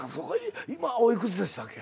今お幾つでしたっけ？